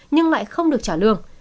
nhưng lại không được trả lương